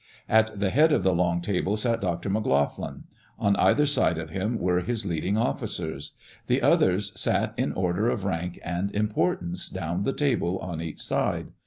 At the head of the long table sat Dr. McLoughlin; on either side of him were his leading officers. The others sat in order of rank and importance down the table on each side.